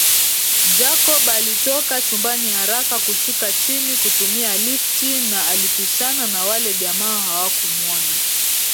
Jacob alitoka chumbani haraka kushuka chini kutumia lifti na alipishana na wale jamaa hawakumuona